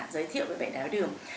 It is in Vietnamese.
giới thiệu về bệ đáy áo đường